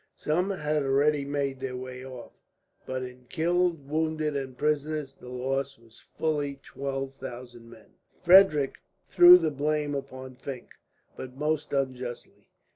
Some had already made their way off, but in killed, wounded, and prisoners, the loss was fully twelve thousand men. Frederick threw the blame upon Fink, but most unjustly.